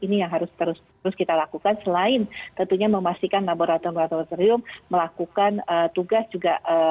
ini yang harus terus kita lakukan selain tentunya memastikan laboratorium laboratorium melakukan tugas juga